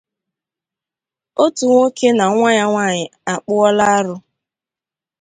Otu Nwoke Na Nwa ya Nwaanyị Akpụọla Arụ